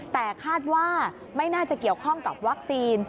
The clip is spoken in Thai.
แต่คาดว่าไม่น่าจะเกี่ยวข้องกับวัคซีน